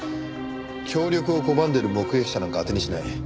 協力を拒んでる目撃者なんか当てにしない。